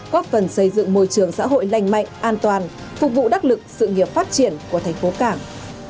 góp phần xây dựng môi trường xã hội lành mạnh an toàn phục vụ đắc lực sự nghiệp phát triển của thành phố cảng